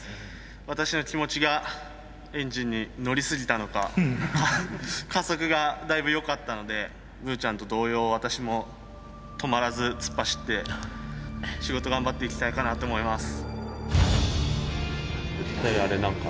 私の気持ちがエンジンに乗りすぎたのか加速がだいぶよかったのでブーちゃんと同様私も止まらず突っ走って仕事頑張っていきたいかなと思います。